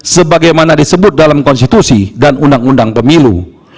sebagaimana disebut dalam konstitusi dan undang undang pemilu